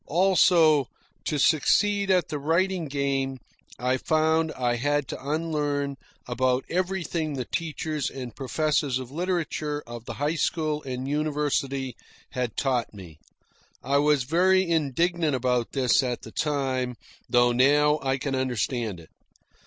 Also, to succeed at the writing game, I found I had to unlearn about everything the teachers and professors of literature of the high school and university had taught me. I was very indignant about this at the time; though now I can understand it.